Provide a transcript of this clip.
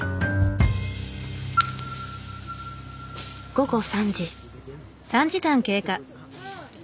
午後３時。